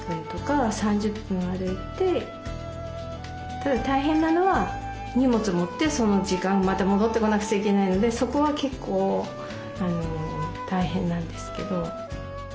ただ大変なのは荷物持ってその時間また戻ってこなくちゃいけないのでそこは結構大変なんですけど。